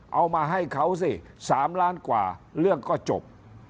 เอามาให้เขาสิ๓ล้านกว่าเรื่องก็จบ